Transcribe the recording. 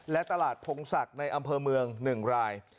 และตลาดพงศักดิ์ในอำเภอเมือง๑ราย